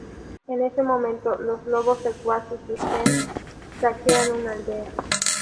En ese momento, los lobos secuaces de Shen saquean una aldea.